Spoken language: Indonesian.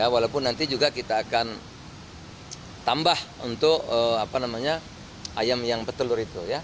walaupun nanti juga kita akan tambah untuk ayam yang petelur itu